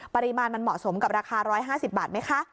ปริมาณมันเหมาะสมกับราคา๑๕๐บาทไหมคะ